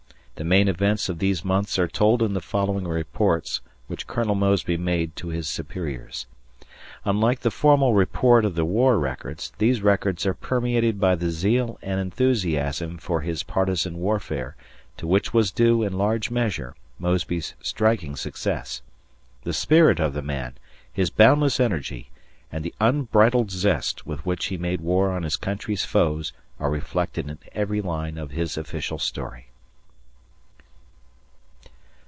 The main events of these months are told in the following reports which Colonel Mosby made to his superiors. Unlike the usual formal report of the War Records, these records are permeated by the zeal and enthusiasm for his partisan warfare to which was due, in large measure, Mosby's striking success. The spirit of the man, his boundless energy, and the unbridled zest with which he made war on his country's foes are reflected in every line of his official story.